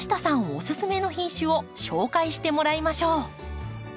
オススメの品種を紹介してもらいましょう。